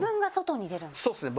そうですね